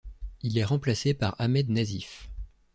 Il est remplacé par Ahmed Nazif.